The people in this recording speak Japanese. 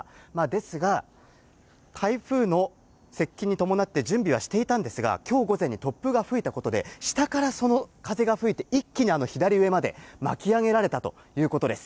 ですが、台風の接近に伴って準備はしていたんですが、きょう午前に突風が吹いたことで、下からその風が吹いて、一気に左上まで巻き上げられたということです。